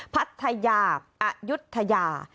พัฒน์ทายาอัยุทยา